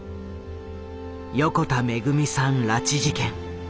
横田めぐみさん拉致事件。